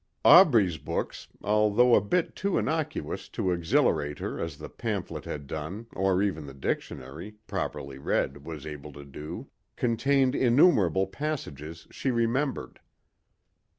Aubrey's books, although a bit too innocuous to exhilarate her as the pamphlet had done or even the dictionary, properly read, was able to do, contained innumerable passages she remembered.